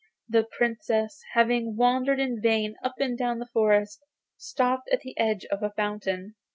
The Princess, having wandered in vain up and down the forest, stopped at last on the edge of a fountain.